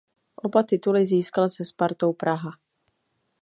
Oba tituly získal se Spartou Praha.